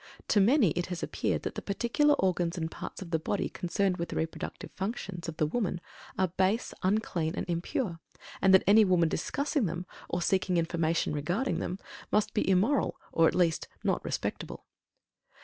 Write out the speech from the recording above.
To many it has appeared that the particular organs and parts of the body concerned with the reproductive functions of the woman are base, unclean, and impure, and that any woman discussing them, or seeking information regarding them, must be immoral or at least not "respectable."